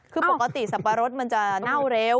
คือปกติสับปะรดมันจะเน่าเร็ว